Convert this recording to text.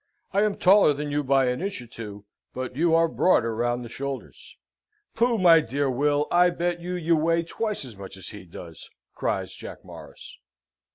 "I am taller than you by an inch or two, but you are broader round the shoulders." "Pooh, my dear Will! I bet you you weigh twice as much as he does!" cries Jack Morris.